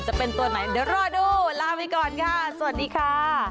จะเป็นตัวไหนเดี๋ยวรอดูลาไปก่อนค่ะสวัสดีค่ะ